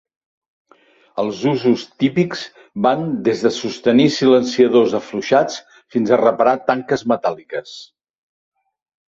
Els usos típics van des de sostenir silenciadors afluixats fins a reparar tanques metàl·liques.